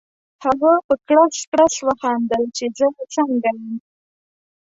هغه په کړس کړس وخندل چې زه څنګه یم؟